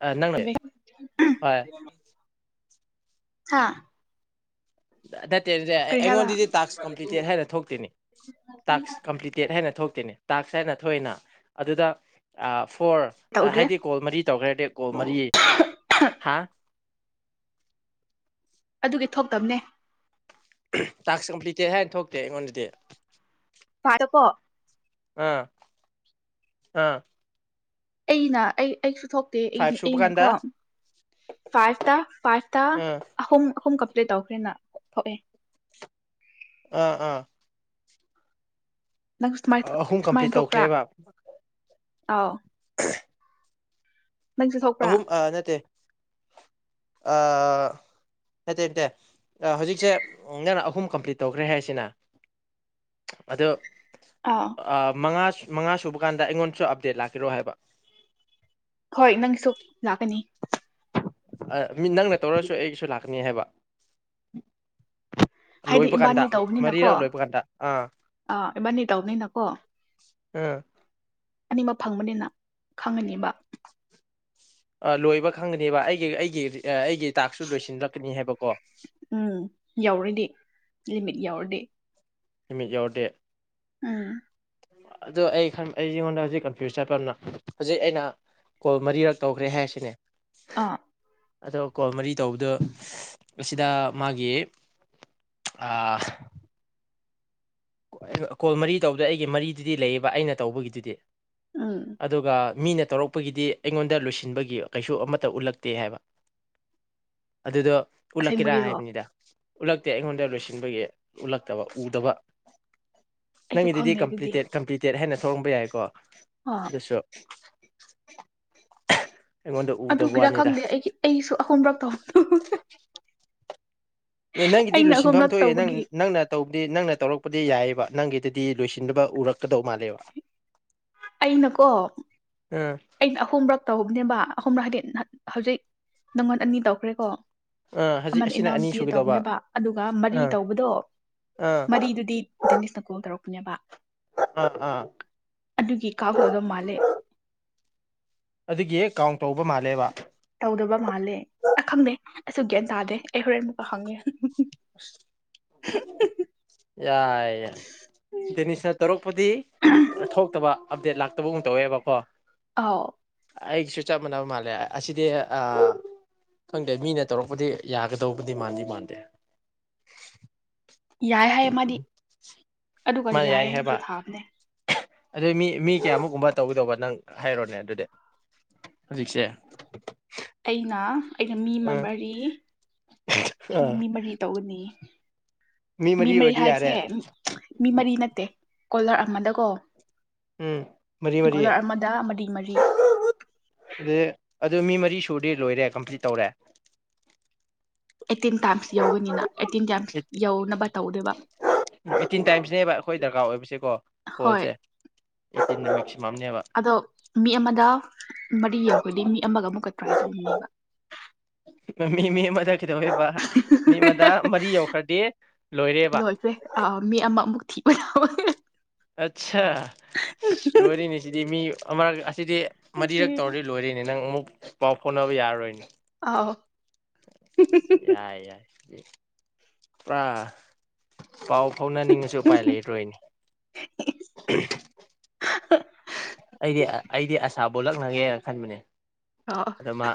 ꯅꯪꯅ ꯍꯣꯏ [unintelligible] ꯍꯥꯥ ꯅꯠꯇꯦ ꯑꯗꯨꯗꯤ ꯑꯩꯉꯣꯟꯗꯗꯤ ꯇꯥꯛꯁ ꯀꯝꯄ꯭ꯂꯤꯇꯦꯠ ꯍꯥꯏꯅ ꯊꯣꯛꯇꯦꯅꯤ ꯇꯥꯛꯁ ꯀꯝꯄ꯭ꯂꯤꯇꯦꯠ ꯍꯥꯏꯅ ꯊꯣꯛꯇꯦꯅꯦ ꯇꯥꯛ ꯁ ꯍꯥꯏꯅ ꯊꯣꯏꯅ ꯑꯗꯨꯗ ꯐꯣꯔ ꯇꯧꯗ꯭ꯔꯦ ꯍꯥꯏꯗꯤ ꯀꯣꯜ ꯃꯔꯤ ꯇꯧꯈ꯭ꯔꯗꯤ ꯀꯣꯜ ꯃꯔꯤ ꯍꯥ ꯑꯗꯨꯒꯤ ꯊꯣꯛꯇꯕꯅꯦ ꯇꯥꯛꯁ ꯀꯝꯄ꯭ꯂꯤꯇꯦ ꯍꯥꯏꯅ ꯊꯣꯛꯇꯦ ꯑꯩꯉꯣꯟꯗꯗꯤ ꯐꯔ ꯀꯣ ꯑꯥ ꯑꯥ ꯑꯩꯩꯅ ꯑꯩ ꯊꯣꯛꯇꯦ ꯑꯩꯅ ꯐꯥꯏꯚ ꯁꯨꯕ ꯀꯥꯟꯗ ꯑꯩꯅꯀꯣ ꯐꯥꯏꯚꯇ ꯐꯥꯏꯚꯇ ꯑꯥ ꯑꯍꯨꯝ ꯑꯍꯨꯝ ꯀ ꯄ꯭ꯂꯦ ꯇꯧꯈ꯭ꯔꯦꯅ ꯊꯣꯛꯑꯦ ꯑꯥ ꯑꯥ ꯅꯪ ꯁꯨ ꯑꯍꯨꯝ ꯀꯝꯄ꯭ꯂꯤꯠ ꯁꯨꯃꯥꯏꯅ ꯊꯣꯛꯄ ꯇꯧꯈ꯭ꯔꯦꯕ ꯑꯥꯎ ꯅꯪꯁꯨ ꯊꯣꯛꯄ꯭ꯔꯥ ꯑꯍꯨꯝ ꯑ ꯅꯠꯇꯦ ꯅꯠꯇꯦ ꯅꯠꯇꯦ ꯍꯧꯖꯤꯛꯁꯦ ꯅꯪꯅ ꯑꯍꯨꯝ ꯀꯝꯄ꯭ꯂꯤꯠ ꯇꯧꯈ꯭ꯔꯦ ꯍꯥꯏꯁꯤꯅ ꯑꯗꯣ ꯑꯥꯎ ꯑ ꯃꯉ ꯃꯉꯥ ꯁꯨꯕ ꯀꯥꯟꯗ ꯑꯩꯉꯣꯟꯗꯁꯨ ꯑꯞꯗꯦꯠ ꯂꯥꯛꯄꯤꯔꯣ ꯍꯥꯏꯕ ꯍꯣꯏ ꯅꯪꯁꯨ ꯂꯥꯛꯀꯅꯤ ꯑ ꯃꯤ ꯅꯪꯅ ꯇꯧꯔꯁꯨ ꯑꯩꯒꯤꯁꯨ ꯂꯥꯛꯀꯅꯤ ꯍꯥꯏꯕ ꯎꯝ ꯍꯥꯏꯗꯤ ꯏꯕꯥꯅꯤ ꯇꯧꯕꯅꯤꯅꯀꯣ ꯃꯔꯤꯔꯛ ꯂꯣꯏꯕ ꯀꯥꯟꯗ ꯑꯥ ꯑꯥ ꯏꯕꯥꯅꯤ ꯇꯧꯕꯅꯤꯅꯀꯣ ꯑ ꯑꯅꯤꯃꯛ ꯐꯪꯕꯅꯤꯅ ꯈꯪꯉꯅꯤꯕ ꯑ ꯂꯣꯏꯕ ꯈꯪꯒꯅꯦꯕ ꯑꯩꯒꯤ ꯑꯩꯒꯤ ꯑꯩꯒꯤ ꯇꯥꯛꯁꯁꯨ ꯂꯣꯏꯁꯤꯜꯂꯛꯀꯅꯤ ꯍꯥꯏꯕꯀꯣ ꯌꯥꯎꯗꯦ ꯍꯥꯏꯃꯤꯠ ꯌꯥꯎꯗꯦ ꯎꯝ ꯑꯗꯣ ꯑꯩ ꯑꯩ ꯑꯩꯉꯣꯟꯗ ꯍꯧꯖꯤꯛ ꯀꯟꯐ꯭ꯌꯨꯁ ꯆꯠꯄ ꯑꯃꯅ ꯍꯧꯖꯤꯛ ꯑꯩꯅ ꯀꯣꯜ ꯃꯔꯤꯔꯛ ꯇꯧꯈ꯭ꯔꯦ ꯍꯥꯏꯁꯤꯅꯦ ꯑꯥ ꯑꯗꯣ ꯀꯣꯜ ꯃꯔꯤ ꯇꯧꯕꯗꯨ ꯑꯁꯤꯗ ꯃꯥꯒꯤ ꯀꯣꯜ ꯃꯔꯤ ꯇꯧꯗ ꯑꯩꯒꯤ ꯃꯔꯤꯗꯨꯗꯤ ꯂꯩꯌꯦꯕ ꯑꯩꯅ ꯇꯧꯕꯒꯤꯗꯨꯗꯤ ꯎꯝ ꯑꯗꯨꯒ ꯃꯤꯅ ꯇꯧꯔꯛꯄꯒꯤꯗꯤ ꯑꯩꯉꯣꯟꯗ ꯂꯣꯏꯁꯤꯟꯕꯒꯤ ꯀꯩꯁꯨ ꯑꯃꯠꯇ ꯎꯠꯂꯛꯇꯦ ꯍꯥꯏꯕ ꯑꯗꯨꯗ ꯎꯂꯀꯤꯔ ꯍꯥꯏ ꯑꯁꯦꯡꯕꯒꯤꯔꯣ ꯄꯨ ꯏꯗ ꯎꯠꯂꯛꯇꯦ ꯑꯩꯉꯣꯟꯗ ꯂꯣꯏꯁꯤꯟꯕꯒꯤ ꯎꯠꯂꯛꯇꯕ ꯎꯗꯕ ꯑꯩꯁꯨ ꯅꯪꯒꯤꯗꯨꯗꯤ ꯈꯪꯗꯦ ꯑꯗꯨꯗꯤ ꯀꯝꯄ꯭ꯂꯤꯇꯦꯠ ꯀꯝꯄ꯭ꯂꯤꯇꯦꯠ ꯍꯥꯏꯅ ꯁꯣꯡꯕ ꯌꯥꯏꯀꯣ ꯑꯥ ꯗꯨꯁꯨ [unintelligible] ꯑꯗꯨꯒꯤꯔ ꯈꯪꯗꯦ ꯑꯩꯒꯤ ꯑꯩꯁꯨ ꯑꯍꯨꯝꯕꯛ ꯇꯧꯕꯗꯣ ꯅꯪꯒꯤꯗꯤ ꯑꯩꯅ ꯂꯣꯏꯁꯤꯟꯐꯝ ꯑꯍꯨꯝꯔꯛ ꯊꯣꯛꯑꯦ ꯅꯪ ꯇꯧꯕꯒꯤ ꯅꯪꯅ ꯇꯧꯕꯗꯤ ꯅꯪꯅ ꯇꯧꯔꯛꯄ ꯗꯤ ꯌꯥꯏꯑꯕ ꯅꯪꯒꯤꯗꯗꯤ ꯂꯣꯏꯁꯤꯟꯕ ꯎꯔꯛꯀꯗꯧ ꯃꯥꯜꯂꯦꯕ ꯑꯩꯅꯀꯣ ꯑꯥ ꯑꯩꯅ ꯑꯍꯨꯝꯕꯛ ꯇꯧꯕꯅꯦꯕ ꯑꯍꯨꯝꯔꯛꯗꯤ ꯍꯥꯏꯗꯤ ꯍꯧꯖꯤꯛ ꯅꯪꯉꯣꯟ ꯑꯅꯤ ꯇꯧꯈ꯭ꯔꯦꯀꯣ ꯑꯥ ꯍꯧꯖꯤꯛ ꯑꯃꯅ ꯑꯁꯤꯅ ꯑꯅꯤ ꯏꯅꯥꯎꯅꯨꯄꯤꯗ ꯁꯨꯒꯗꯧꯕ ꯇꯧꯕꯅꯦꯕ ꯑꯗꯨꯒ ꯃꯔꯤ ꯑꯥ ꯇꯧꯕꯗꯣ ꯑꯥ ꯃꯔꯤꯗꯨꯗꯤ ꯗꯦꯅꯤꯁꯅ ꯀꯣꯜ ꯇꯧꯔꯛ ꯅꯦꯕ ꯑꯥ ꯑꯥ ꯑꯗꯨꯒꯤ ꯀꯥꯎꯇꯣꯗꯣ ꯃꯥꯜꯂꯦ ꯑꯗꯨꯒꯤ ꯀꯥꯎꯟ ꯇꯧꯕ ꯃꯥꯜꯂꯦꯕ ꯇꯧꯗꯕ ꯃꯥꯜꯂꯦ ꯑ ꯈꯪꯗꯦ ꯑꯩꯁꯨ ꯒ꯭ꯌꯥꯟ ꯇꯥꯗꯦ ꯑꯩ ꯍꯣꯔꯦꯟ ꯑꯃꯨꯛꯀ ꯍꯪꯉꯦ ꯑꯁ ꯌꯥꯏ ꯌꯥꯏ ꯗꯦꯅꯤꯁꯅ ꯇꯧꯔꯛꯄꯗꯤ ꯊꯣꯛꯇꯕ ꯑꯞꯗꯦꯗ ꯂꯥꯛꯇꯕꯒ ꯇꯧꯋꯦꯕꯀꯣ ꯑꯥꯎ ꯑꯩꯁꯨ ꯆꯞ ꯃꯥꯟꯅꯕ ꯃꯥꯜꯂꯦ ꯑꯁꯤꯗꯤ ꯈꯪꯗꯦ ꯃꯤꯅ ꯇꯧꯔꯛꯄꯗꯤ ꯌꯥꯒꯗꯧꯕꯗꯤ ꯃꯥꯟꯗ ꯃꯥꯟꯗꯦ ꯌꯥꯏ ꯍꯥꯏꯌꯦ ꯃꯥꯗꯤ ꯑꯗꯨꯒ ꯃꯥ ꯌꯥꯏ ꯍꯥꯏꯕ ꯍꯥꯏꯅꯁꯨ ꯊꯥꯕꯅꯦ ꯑꯗꯨ ꯃꯤ ꯃꯤ ꯀꯌꯥꯃꯨꯛꯀꯨꯝꯕ ꯇꯧꯒꯗꯧꯕ ꯅꯪ ꯍꯥꯏꯔꯣꯅꯦ ꯑꯗꯨꯗꯤ ꯍꯧꯖꯤꯛꯁꯦ ꯑꯩꯅ ꯑꯩꯅ ꯃꯤ ꯑꯃ ꯎꯝ ꯃꯔꯤ ꯑꯩꯅ ꯑꯥ ꯃꯤ ꯃꯔꯤ ꯇꯧꯒꯅꯤ ꯃꯤ ꯃꯔꯤ ꯍꯥꯏꯕꯁꯦ ꯃꯤ ꯃꯔꯤ ꯅꯠꯇꯦ ꯀꯣꯂꯔ ꯑꯃꯗꯀꯣ ꯎꯝ ꯃꯔꯤ ꯃꯔꯤꯌꯦ ꯀꯣꯂꯔ ꯑꯃꯗ ꯃꯔꯤ ꯃꯔꯤ ꯑꯗꯨ ꯑꯗꯨ ꯃꯤ ꯃꯔꯤ ꯁꯨꯗꯦ ꯂꯣꯏꯔꯦ ꯀꯝꯄ꯭ꯂꯤꯠ ꯇꯧꯔꯦ ꯑꯩꯠꯇꯤꯟ ꯇꯥꯏꯝꯁ ꯌꯧꯒꯅꯤꯅ ꯑꯩꯠꯇꯤꯟ ꯇꯥꯏꯝꯁ ꯌꯧꯅꯕ ꯇꯧꯗꯦꯕ ꯑꯩꯠꯇꯤꯟ ꯇꯥꯏꯝꯁꯅꯦꯕ ꯑꯩꯈꯣꯏ ꯗꯔꯀꯥꯔ ꯍꯣꯏ ꯅꯨꯃꯤ ꯑꯗꯣ ꯃꯤ ꯑꯃꯗ ꯃꯔꯤ ꯌꯥꯎꯔꯗꯤ ꯃꯤ ꯑꯃꯒ ꯑꯃꯨꯛꯀ ꯇ꯭ꯔꯥꯏ ꯇꯧꯅꯦꯕ ꯃꯤ ꯃ ꯀꯩꯗꯧꯋꯦꯕ ꯃꯤ ꯑꯃꯗ ꯃꯔꯤ ꯌꯧꯈ꯭ꯔꯗꯤ ꯂꯣꯏꯔꯦꯕ ꯊꯕꯕ ꯑꯆꯥ ꯂꯣꯔꯤꯅꯤ ꯁꯤꯗꯤ ꯃꯤ ꯑꯣꯔ ꯁꯤꯗꯤ ꯃꯔꯤꯔꯛ ꯁꯤꯔꯦꯗ ꯇꯧꯔꯗꯤ ꯂꯣꯏꯔꯤꯅꯦ ꯅꯪ ꯑꯃꯨꯛ ꯄꯥꯎ ꯐꯥꯎꯅꯕ ꯌꯥꯔꯔꯣꯏꯅꯦ ꯑꯥꯎ ꯌꯥꯏ ꯌꯥꯏ [unintelligible] ꯄꯨꯔꯥ ꯄꯥꯎ ꯐꯥꯎꯅꯅꯤꯡꯉꯁꯨ ꯎꯄꯥꯏ ꯂꯩꯔꯣꯏꯅꯦ ꯍꯣꯂꯛꯅꯒꯦꯅ ꯈꯟꯕꯅꯦ ꯑꯥꯎ ꯑꯗ ꯃꯥ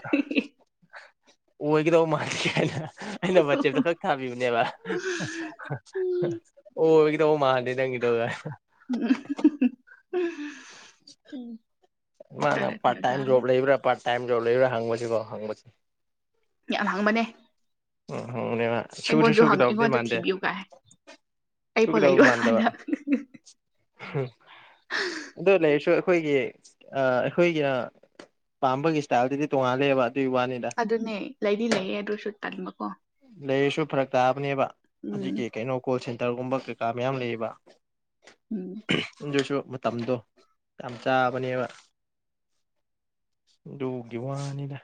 ꯑꯣꯏꯒꯧꯕ ꯃꯥꯟ [unintelligible] ꯑꯩꯅ ꯋꯥꯆꯦꯞꯇ ꯈꯛ ꯊꯥꯕꯤꯕꯅꯦꯕ ꯑꯣꯏ ꯒꯗꯕ ꯃꯥꯟꯗꯦ ꯅꯪꯒꯤꯗꯣꯅ ꯎꯝ ꯎꯝ [unintelligible] ꯃꯥꯅ ꯄꯥꯔꯇ ꯇꯥꯏꯝ ꯖꯣꯕ ꯂꯩꯕꯔꯥ ꯄꯥꯔ ꯇꯥꯏꯝ ꯖꯣꯕ ꯂꯩꯕ꯭ꯔꯥ ꯍꯪꯕꯁꯤꯀꯣ ꯍꯪꯕꯁꯦ ꯌꯥꯝ ꯍꯪꯕꯅꯦ ꯑꯝ ꯑꯩꯉꯣꯟꯁꯨ ꯍꯪꯕ ꯑꯩꯉꯣꯟꯗ ꯊꯤꯕꯤꯌꯨ ꯀꯥꯏ ꯑꯩ ꯄꯣ ꯂꯩꯔꯣꯢ ꯀꯥꯟꯗ ꯍꯝ ꯑꯗꯣ ꯎꯝ ꯂꯩꯔꯁꯨ ꯑꯩꯈꯣꯏꯒꯤ ꯑ ꯑꯩꯈꯣꯏꯒꯤ ꯑꯥ ꯄꯥꯝꯕꯒꯤ ꯁꯇꯥꯏꯜꯗꯨꯗꯤ ꯇꯣꯡꯉꯥꯂꯦꯕ ꯑꯗꯨꯅꯦ ꯂꯩꯗꯤ ꯂꯩꯌꯦ ꯑꯗꯨꯁꯨ ꯇꯟꯕꯀꯣ ꯂꯩꯌꯦꯁꯨ ꯐꯔꯛ ꯇꯥꯕꯅꯦꯕ ꯎꯝ ꯑꯗꯨꯒꯤ ꯀꯩꯩꯅꯣ ꯀꯣꯜꯁꯦꯟ ꯇꯔꯒꯨꯝꯕ ꯀꯩꯀꯥ ꯃꯌꯥꯝ ꯂꯩꯌꯦꯕ ꯎꯝ ꯑꯗꯨꯁꯨ ꯃꯇꯝꯗꯣ ꯌꯥꯝ ꯆꯥꯕꯅꯦꯕ ꯑꯗꯨꯒꯤ ꯋꯥꯅꯤꯗ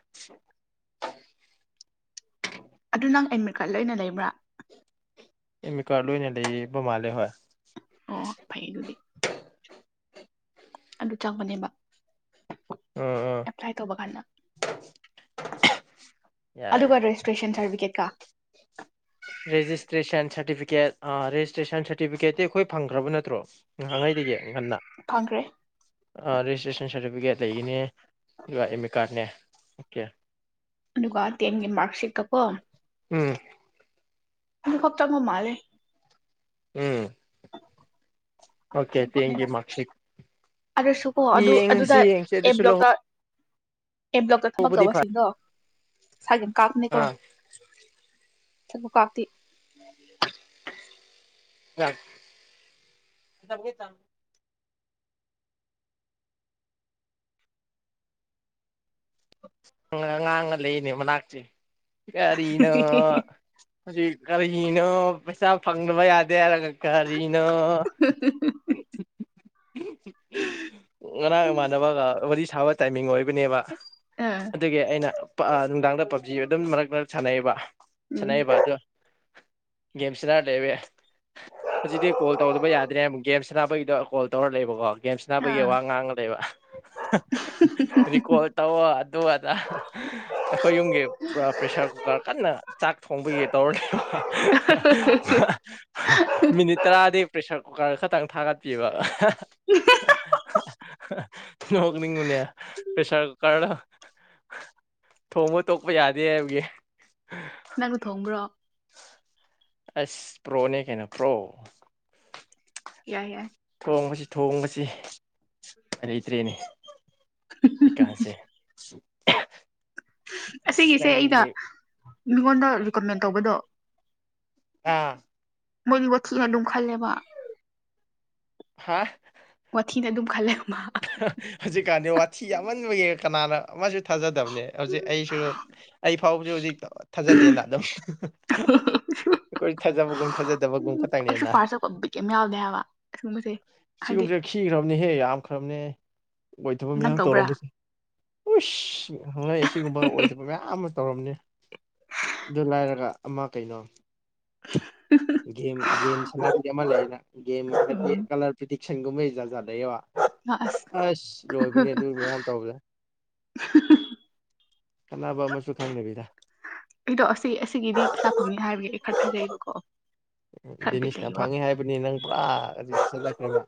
ꯑꯗꯨ ꯅꯪ ꯑꯦꯗꯃꯤꯠ ꯀꯥꯔꯗ ꯂꯣꯏꯅ ꯂꯩꯕ꯭ꯔꯥ ꯑꯦꯗꯃꯤꯠ ꯀꯥꯔꯗ ꯂꯣꯢꯅ ꯂꯩꯌꯦꯕꯥꯃꯥꯂꯦ ꯍꯣꯢ ꯑꯣ ꯑꯣ ꯐꯩ ꯑꯗꯨꯗꯤ ꯑꯗꯨ ꯆꯪꯕꯅꯦꯕ ꯑꯥ ꯑꯥ ꯑꯦꯄ꯭ꯂꯥꯏ ꯇꯧꯕ ꯀꯥꯟꯗ ꯌꯥꯏ ꯑꯗꯨꯒ ꯌꯥꯏ ꯔꯦꯖꯤꯁꯇ꯭ꯔꯦꯁꯟ ꯁꯥꯔꯇꯤꯐꯤꯀꯦꯠꯀ ꯔꯦꯁꯇ꯭ꯔꯦꯁꯟ ꯁꯔꯇꯤꯐꯤ ꯀꯦꯠ ꯑꯥ ꯔꯦꯖꯤꯁꯇ꯭ꯔꯦꯁꯟ ꯁꯥꯔꯇꯤꯐꯤꯀꯦꯠꯇꯤ ꯑꯩꯈꯣꯏ ꯐꯪꯈ꯭ꯔꯕ ꯅꯠꯇ꯭ꯔꯣ ꯅꯍꯥꯟꯒꯩꯗꯒꯤ ꯉꯟꯅ ꯐꯪꯈ꯭ꯔꯦ ꯔꯦꯖꯤꯁꯇ꯭ꯔꯦꯁꯟ ꯁꯥꯔꯇꯤꯐꯤꯀꯦꯠ ꯂꯩꯒꯤꯅꯦ ꯑꯗꯨꯒ ꯑꯦꯝꯃꯤꯠꯀꯥꯔꯗ ꯅꯦ ꯑꯣꯀꯦ ꯇ ꯌꯦꯦꯟꯒꯤ ꯃꯥꯔꯛꯁ ꯁꯤꯛꯄꯣ ꯎꯝ ꯑꯃꯝ ꯀ ꯇꯕꯣ ꯃꯥꯂꯦ ꯎꯝ ꯑꯣꯀꯦ ꯇꯦꯟꯒꯤ ꯃꯥꯔꯛꯁꯤꯠ ꯑꯗꯨꯁꯨ ꯀꯣ ꯑꯗꯨ ꯑꯗꯨꯗ ꯌꯦꯡꯁꯤ ꯌꯦꯡꯁꯤ ꯑꯦ ꯑꯗꯨꯁꯨ ꯕ꯭ꯂꯣꯛꯇ ꯑꯦꯝ ꯕ꯭ꯂꯣꯛꯇ ꯊꯕꯛ ꯂꯧꯍꯧꯕꯗꯤ ꯐꯔꯦ ꯇꯧꯕꯁꯤꯡꯗꯣ ꯁꯒꯤ ꯀꯛꯅꯤ ꯀꯣ ꯑꯥ ꯆ ꯀꯥꯇꯤ ꯌꯥ ꯉꯥꯡꯉ ꯂꯩ ꯏꯅꯦ ꯃ ꯂ ꯍꯥꯥꯛꯆ ꯀꯔꯤꯅ ꯍꯧꯖꯤꯛ ꯀꯔꯤꯅꯣ ꯄꯩꯁꯥ ꯐꯪꯗꯕ ꯌꯥꯗꯦ ꯍꯥꯏꯔꯒ ꯀꯅ ꯉꯅꯥ ꯃꯅꯕꯒ ꯋꯥꯔꯤ ꯊꯥꯕ ꯇꯥꯏꯃꯤꯡ ꯑꯣꯏ ꯕꯤꯅꯦꯕ ꯑꯥ ꯑꯗꯨꯗꯒꯤ ꯅꯨꯡꯗꯥꯡꯗ ꯄꯞꯖꯤ ꯑꯗꯨꯝ ꯃꯔꯛ ꯃꯔꯛ ꯁꯥꯟꯅꯩꯕ ꯎꯝ ꯆꯅꯒꯤꯕꯗꯨ ꯒꯦꯝ ꯁꯥꯟꯅꯔ ꯂꯩꯦꯕ ꯍꯧꯖꯤꯛꯇꯤ ꯀꯣꯜ ꯇꯧꯗꯕ ꯌꯥꯗ꯭ꯔꯦ ꯒꯦꯝ ꯁꯥꯟꯅꯕꯒꯤꯗꯣ ꯀꯣꯜ ꯇꯧꯔ ꯂꯩꯦꯕꯀꯣ ꯒꯦꯝ ꯁꯟꯅꯕꯒꯤ ꯑꯥ ꯋꯥ ꯉꯥꯡꯉ ꯂꯩꯕ ꯔꯤꯀꯣꯔꯠ ꯇꯧ ꯑꯗꯨ ꯑꯗ ꯑꯩꯈꯣꯏ ꯌꯨꯝꯒꯤ ꯄ꯭ꯔꯦꯁꯔ ꯀꯨꯀꯔ ꯀꯟꯅ ꯆꯥꯛ ꯊꯣꯡꯕꯒꯤ ꯇꯧꯔꯅꯦꯕ ꯃꯤꯅꯤꯠ ꯇꯔꯥꯗꯤ ꯄ꯭ꯔꯦꯁꯔ ꯀꯨꯀꯔ ꯈꯛꯇꯪ ꯊꯥꯒꯠꯄꯤꯕ inaudible ꯍꯅꯤꯡ ꯃꯨꯅꯌꯥ ꯄꯦꯁꯥ ꯀꯔꯅ ꯊꯣꯡꯕ ꯇꯣꯛꯄ ꯌꯥꯗꯦ ꯍꯥꯏꯕꯒꯤ ꯅꯪꯕꯨ ꯊꯣꯡꯕ꯭ꯔꯣ ꯑꯁ ꯄ꯭ꯔꯣꯅꯦ ꯀꯩꯅꯩꯅ ꯄ꯭ꯔꯣ ꯌꯥꯏ ꯌꯥꯏ ꯊꯣꯡꯕꯁꯤ ꯊꯣꯡꯕꯁꯤ ꯂꯩꯇ꯭ꯔꯦꯅꯦ ꯀꯁꯦ [inaudible] ꯑꯁꯤꯒꯤꯁꯦ ꯑꯩꯩꯅ ꯃꯤꯉꯣꯟꯗ ꯔꯤꯀꯃꯦꯟ ꯇꯧꯕꯗꯣ ꯑꯥ ꯃꯣꯏꯅꯤꯕꯨ ꯊꯤꯅ ꯑꯗꯨꯝ ꯈꯜꯂꯦꯕ ꯋꯥꯊ ꯇ ꯑꯗꯨ ꯈꯂ ꯍꯧꯖꯤꯛꯀꯥꯟꯅꯤ ꯋꯥꯊꯤ ꯌꯥꯝꯃꯟꯕꯒꯤ ꯀꯅꯥꯅ ꯑꯃꯁ ꯊꯥꯖꯗꯕꯅꯦ ꯍꯧꯖꯤꯛ ꯑꯩꯁꯨ ꯑꯩ ꯐꯥꯎꯕꯁꯨ ꯍꯧꯖꯤꯛ ꯊꯥꯖꯗꯦꯅ ꯑꯗꯨꯝ ꯑꯩꯈꯣꯏ ꯊꯥꯖꯕꯒꯨꯝ ꯊꯥꯖꯗꯕꯒꯨꯝ ꯃꯥ ꯑꯩꯁꯨ ꯈꯛꯇꯪꯅꯦꯅ ꯐꯥꯔꯁ ꯆꯠꯄ ꯕꯤꯠ ꯀꯩꯝ ꯌꯥꯎꯗꯦ ꯍꯥꯏꯕ ꯑꯁꯤꯒꯨꯝꯕꯁꯦ ꯍꯥꯏꯗꯤ ꯁꯤꯒꯨꯝꯁꯦ ꯈꯤꯈ꯭ꯔꯕꯅꯤ ꯍꯦ ꯌꯥꯝ ꯇꯝꯅꯦ ꯑꯣꯏꯊꯕ ꯅꯪ ꯃꯌꯥꯝ ꯇꯧꯕ꯭ꯔꯥ ꯇꯧꯔꯝꯕꯁꯦ ꯈꯁ ꯍꯪꯅꯩ ꯑꯁꯤꯒꯨꯝꯕ ꯑꯣꯏꯗꯕ ꯃꯌꯥꯝ ꯑꯃ ꯇꯧꯔꯝꯅꯤ ꯑꯗꯨ ꯂꯥꯏꯔꯒ ꯑꯃ ꯀꯩꯅꯣ ꯦ ꯦꯁ ꯂꯩ ꯎꯝ ꯦ ꯀꯂꯔ ꯄꯤ ꯁꯦꯡꯒꯨꯝ ꯃꯩꯖꯥꯖꯗ ꯂ ꯑꯁ ꯃꯌꯥꯝ ꯇꯧꯕꯗ ꯀꯥꯟꯅꯕ ꯑꯃꯁꯨ ꯈꯪꯗꯕꯤꯗ ꯑꯩꯗꯣ ꯑꯁꯤ ꯑꯁꯤꯒꯤꯗꯤ ꯄꯩꯁꯥ ꯐꯪꯅꯤ ꯍꯥꯏꯕꯒ ꯑꯩ ꯀꯊꯖꯩꯕꯀꯣ ꯗꯗꯤꯦꯅꯤꯁꯅ ꯐꯪꯉꯤ ꯍꯥꯏꯕꯅꯤ ꯅꯪ ꯄꯨꯔꯥ ꯎ ꯑ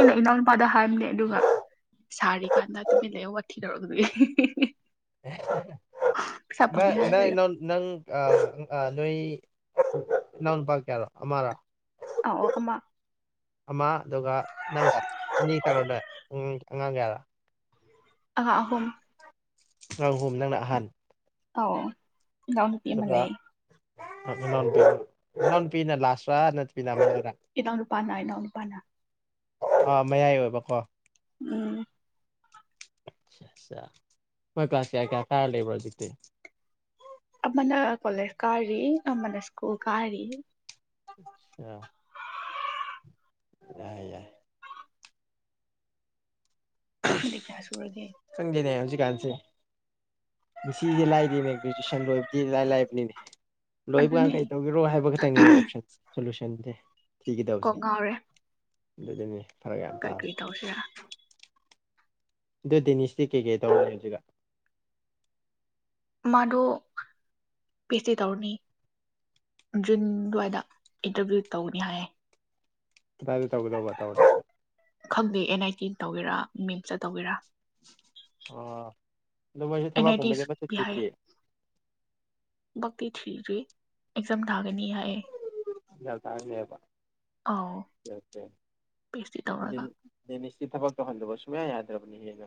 ꯏ ꯏꯅꯣꯅ ꯄꯗ ꯍꯥꯏ ꯦ ꯑꯗꯨꯒ ꯁꯥꯔꯤꯀꯥꯟꯗ ꯇꯨꯃꯤ ꯂꯩꯍ ꯋꯥ ꯊꯤꯗꯔꯗꯨ ꯍꯥꯏꯔꯒ ꯅꯪ ꯅꯪ ꯑ ꯅꯣꯏ ꯅꯎꯟ ꯄ ꯀꯔꯣ ꯑꯔ ꯑ ꯑꯃ ꯑꯃ ꯑꯗꯨꯒ ꯅꯪ ꯑꯅꯤ ꯀꯔꯗꯣꯏ ꯑꯉꯥꯡ ꯀꯌꯥꯗ ꯑ ꯍꯣꯝ ꯉꯪꯍꯣꯨꯝ ꯅꯪꯅ ꯑꯍꯥꯟ ꯑꯧ ꯉꯥꯎ ꯅꯨꯄꯤ ꯑꯃ ꯂꯩ ꯅ ꯄ ꯅꯣꯟ ꯄꯤꯅ ꯂꯥꯁ ꯅ ꯄꯤ ꯏꯈꯤꯇꯪ ꯅꯨꯄꯥꯥꯟ ꯅꯥꯏꯅꯣ ꯀꯪꯄꯅ ꯑꯥ ꯃꯌꯥꯏ ꯑꯣꯏꯕꯀꯣ ꯎꯝ ꯃꯣꯏ ꯄꯥꯁ ꯀꯌꯥ ꯀꯌꯥ ꯀꯥꯔ ꯂꯩꯕ꯭ꯔꯣꯖꯤꯦ ꯑꯃꯅ ꯀꯣꯂꯦꯖ ꯀꯥꯔꯤ ꯑꯃꯅ ꯁ꯭ꯀꯨꯜ ꯀꯥꯔꯤ ꯑꯆꯥ [unintelligible] ꯌꯥꯏ ꯌꯥꯏ ꯑꯗꯤ ꯀꯌꯥ ꯁꯨꯔꯒꯦ ꯉꯁꯦ ꯂꯥꯏꯗꯅꯦ ꯒ꯭ꯔꯦꯖꯨꯋꯦꯁꯟ ꯂꯣꯏꯕꯗꯤ ꯂꯥꯏ ꯂꯥꯏꯕꯅꯤꯅꯦ ꯂꯣꯏꯕ ꯀꯥꯟ ꯑꯗꯨꯅꯦ ꯀꯩ ꯇꯧꯒꯦꯔꯣ ꯍꯥꯏꯕ ꯈꯛꯇꯪꯅꯤꯅꯦ ꯑꯣꯞꯁꯟꯁꯦ ꯁꯣꯂꯨꯁꯟ ꯗꯦ ꯀꯉꯔꯦ ꯑꯗꯨ ꯑꯗꯨꯅꯦ ꯐꯔꯦ ꯌꯥꯔ ꯇꯥꯔꯁꯤ ꯑꯗꯨ ꯗꯤꯅꯤꯁꯇꯤ ꯀꯩꯀꯩ ꯇꯧꯔꯦ ꯍꯧꯖꯤꯛꯒ ꯃꯥꯗꯣ ꯄꯤ ꯑꯩꯆ ꯗꯤ ꯇꯧꯔꯅꯤ ꯖꯨꯟ ꯑꯗꯨꯋꯥꯏꯗ ꯏꯟꯇꯔꯚꯤꯌꯨ ꯇꯧꯅꯤ ꯍꯥꯏꯌꯦ ꯇꯥꯗꯦ ꯇꯧꯗꯇꯥ ꯈꯪꯗꯦ ꯑꯦꯟ ꯑꯥꯏ ꯇꯤ ꯇꯧꯒꯤꯔꯥ ꯃꯤꯦꯝꯁꯇ ꯇꯧꯕꯒꯤꯔꯥ ꯑꯣ ꯑ ꯃꯣꯏꯁꯨ ꯑꯦꯟ ꯑꯥꯏ ꯇꯤ ꯊꯕꯛꯀꯨꯝꯕꯗꯤ ꯃꯁꯨ ꯊꯤꯗ꯭ꯔꯤꯌꯦ ꯗꯤ ꯊꯔꯤꯦ ꯑꯦꯛꯖꯝ ꯊ ꯅꯤ ꯍꯥꯏ ꯌꯥ ꯇꯥ ꯂꯩꯕ ꯑꯥꯎ ꯄꯤ ꯑꯩꯆ ꯗꯤ ꯇꯧꯔꯒ ꯃꯤꯆ ꯊꯕꯑꯣ ꯇꯈꯗꯕꯁ ꯃ ꯌꯥꯗꯔꯕꯅꯤ ꯍꯥꯏꯅ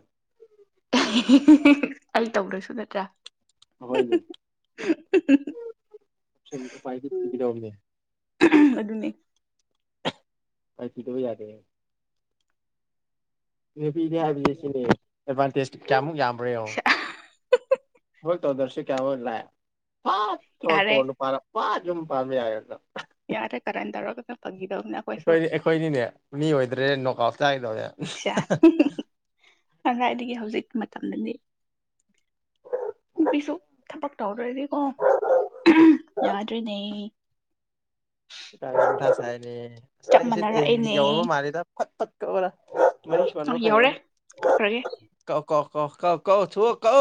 ꯑꯩ ꯇꯧꯗꯁꯨ ꯅꯠꯇ꯭ꯔꯥ ꯍꯣꯏꯅꯦꯥꯏꯗꯤꯕꯤꯗꯅꯦ ꯑꯗꯨꯅꯤ ꯐꯥꯏ ꯆꯤꯗꯕ ꯌꯥꯗ ꯅꯨꯄꯤꯅꯦ ꯍꯥꯏꯕꯁꯦ ꯁꯤꯅꯦ ꯑꯦꯗꯚꯥꯟꯇꯦꯖ ꯀꯌꯥꯃꯨꯛ ꯌꯥꯝ ꯍꯣꯔꯦꯟ ꯌꯦꯡꯉꯨ ꯇꯧꯗꯔꯁꯤ ꯀꯌꯥꯕ ꯏꯂ ꯊ ꯌꯥꯔꯦ ꯇꯅꯨꯡ ꯄꯔ ꯄꯥ ꯆꯨꯝ ꯄꯥꯝꯃꯤ ꯌꯥꯗ ꯌꯥꯔꯦ ꯀꯔꯥꯏꯟꯔꯣꯒꯗ ꯑꯩꯈꯣꯏ ꯑꯩꯈꯣꯏꯗꯤꯅꯦ ꯃꯤ ꯑꯣꯏꯗ꯭ꯔꯦ ꯅꯣꯀꯥꯎꯞ ꯆꯥꯗꯧꯔꯦ ꯀꯪꯗꯥꯥꯏꯗꯒꯤ ꯍꯧꯖꯤꯛ ꯃꯇꯝꯗꯗꯤ ꯅꯨꯄꯤꯁꯨ ꯊꯕꯛ ꯇꯧꯗ꯭ꯔꯗꯤꯀꯣ ꯌꯥꯗ꯭ꯔꯤꯅꯦ ꯊ ꯁꯥꯏꯅꯤ ꯆꯞ ꯑꯁꯁꯦ ꯇꯦꯃꯤ ꯃꯥꯟꯅꯔꯛꯑꯦꯅꯦ ꯌꯧꯨꯔꯕ ꯃꯥꯜꯂꯤꯦꯗ ꯐꯛ ꯐꯛ ꯈꯔ ꯃꯔꯤ ꯑ ꯁꯣꯟꯕ ꯐꯩꯌꯦ ꯌꯧꯔꯦ ꯀꯛꯈ꯭ꯔꯒꯦ ꯀꯛ ꯀ ꯀꯥꯎ ꯀ ꯀꯧꯊꯛ ꯀ